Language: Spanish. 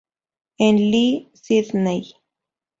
En Lee, Sidney.